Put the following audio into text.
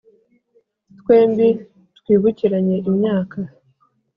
Twembi twibukiranye imyaka